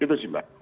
gitu sih mbak